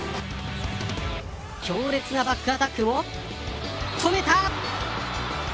強烈なバックアタックも止めた。